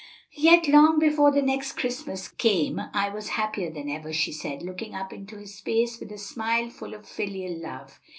"Yet, long before the next Christmas came I was happier than ever," she said, looking up into his face with a smile full of filial love.